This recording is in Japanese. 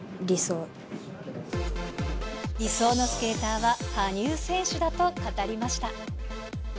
理想のスケーターは羽生選手だと語りました。